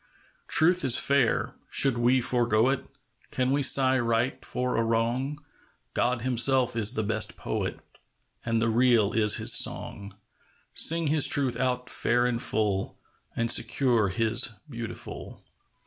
Truth is fair; should we forego it? Can we sigh right for a wrong ? God Himself is the best Poet, And the Real is His song. Sing His Truth out fair and full, And secure His beautiful.